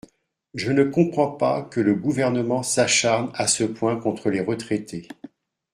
Je ne comprends pas que le Gouvernement s’acharne à ce point contre les retraités.